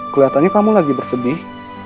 keliatannya kamu lagi bersedih